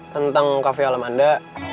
tentang cafe alam anda